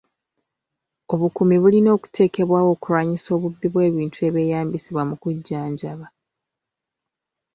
Obukuumi bulina okuteekebwawo okulwanyisa obubbi bw'ebintu ebyeyamisibwa mu kujjanjaba.